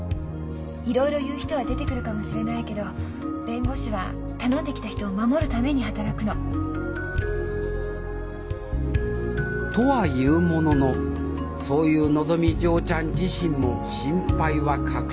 いろいろ言う人は出てくるかもしれないけど弁護士は頼んできた人を守るために働くの。とは言うもののそう言うのぞみ嬢ちゃん自身も心配は隠し切れませんでした